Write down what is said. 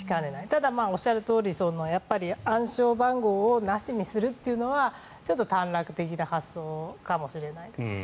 ただ、おっしゃるとおり暗証番号をなしにするというのはちょっと短絡的な発想かもしれないです。